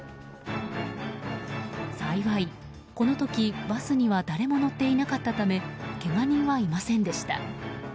幸い、この時バスには誰も乗っていなかったためけが人はいませんでした。